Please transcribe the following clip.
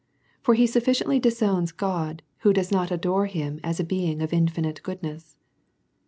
For he sufficiently disowns God, who does not adore him as a Being* of infinite goodness.